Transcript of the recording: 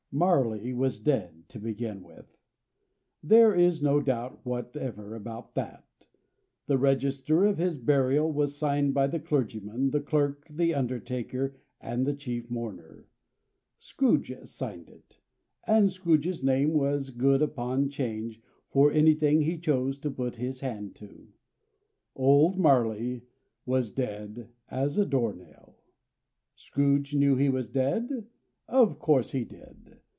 Marley was dead, to begin with. There is no doubt whatever about that. The register of his burial was signed by the clergyman, the clerk, the undertaker, and the chief mourner. Scrooge signed it. And Scrooge's name was good upon 'Change, for anything he chose to put his hand to. Old Marley was dead as a door nail. Scrooge knew he was dead? Of course he did.